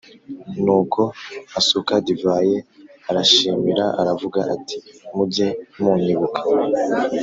Nuko asuka divayi arashimira aravuga ati mujye munyibuka